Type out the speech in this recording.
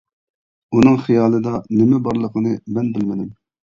ئۇنىڭ خىيالىدا نېمە بارلىقىنى مەن بىلمىدىم.